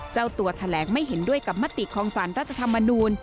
เจ้าตัวแถลงไม่เห็นด้วยกับมติของสารรัฐธรรมนูล